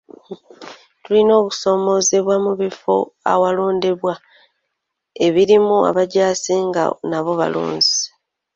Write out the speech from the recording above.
Tulina okusoomoozebwa mu bifo awalonderwa ebirimu abajaasi nga nabo balonzi.